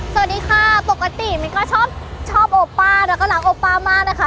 สวัสดีค่ะปกติมิ้นก็ชอบโอป้าแล้วก็รักโอป้ามากนะคะ